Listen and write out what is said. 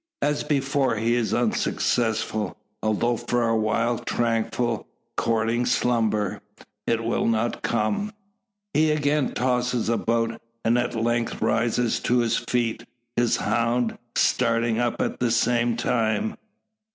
As before, he is unsuccessful. Although for a while tranquil and courting slumber, it will not come. He again tosses about; and at length rises to his feet, his hound starting up at the same time.